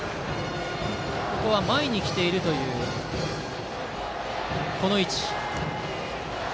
ここは前に来ているという位置。